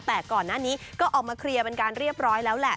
แต่ก่อนหน้านี้ก็ออกมาเคลียร์เป็นการเรียบร้อยแล้วแหละ